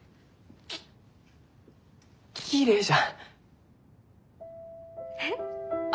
ききれいじゃ！